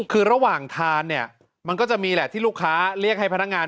คือระหว่างทานเนี่ยมันก็จะมีแหละที่ลูกค้าเรียกให้พนักงาน